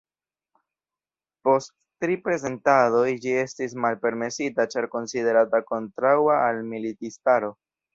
Post tri prezentadoj ĝi estis malpermesita ĉar konsiderata kontraŭa al militistaro.